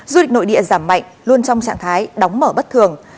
du lịch nội địa giảm mạnh luôn trong trạng thái đóng mở bất thường